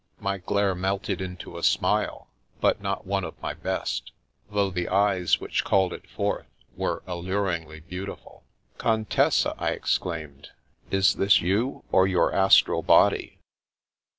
My glare melted into a smile, but not one of my best, Uiough the eyes which called it forth were alluringly beautiful. " Contessa !" I exclaimed. " Is tiiis you, or your astral body